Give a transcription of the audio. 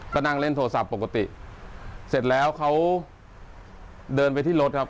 ก็นั่งเล่นโทรศัพท์ปกติเสร็จแล้วเขาเดินไปที่รถครับ